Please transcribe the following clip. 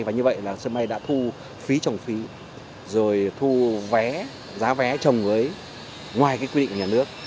và như vậy là sân bay đã thu phí trồng phí rồi thu vé giá vé trồng với ngoài cái quy định của nhà nước